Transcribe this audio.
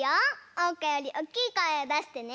おうかよりおっきいこえをだしてね。